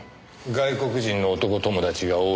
外国人の男友達が多い。